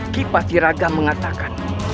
kipati raga mengatakan